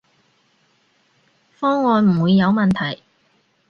方案唔會有問題